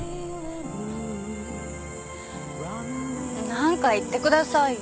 何か言ってくださいよ。